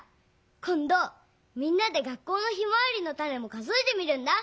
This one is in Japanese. こんどみんなで学校のヒマワリのタネも数えてみるんだ。